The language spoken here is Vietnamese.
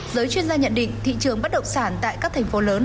giới chuyên gia nhận định thị trường bất động sản tại các thành phố lớn